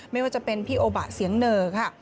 ไม่ว่าจะเป็นพี่โอบะเสียงเหน่อค่ะ